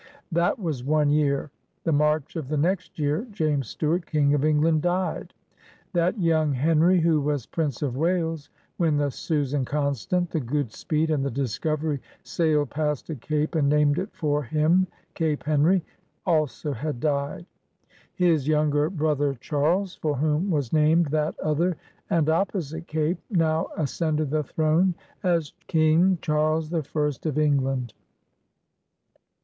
That was one year. The March of the next year James Stuart, King of England, died. That young Henry who was Prince of Wales when the Susan Constant^ the Goodspeed, and the Discovery sailed past a cape and named it for him Cape HenJry, also had died. His younger brother Charles, for whom was named that other and opposite cape, now ascended the throne as King Charles the First of England.